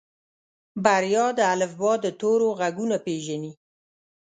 بريا د الفبا د تورو غږونه پېژني.